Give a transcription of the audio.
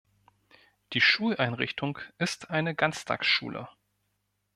Die Schuleinrichtung ist eine Ganztagsschule.